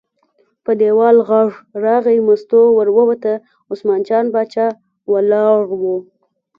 په دیوال غږ راغی، مستو ور ووته، عثمان جان باچا ولاړ و.